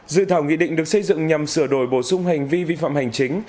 dự thảo nghị định được xây dựng nhằm sửa đổi bổ sung hành vi vi phạm hành chính